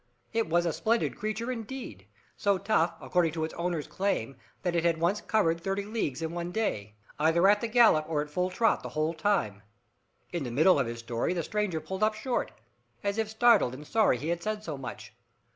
It was a splendid creature, indeed, so tough, according to its owner's claim, that it had once covered thirty leagues in one day, either at the gallop or at full trot the whole time. In the midst of his story the stranger pulled up short, as if startled and sorry he had said so much.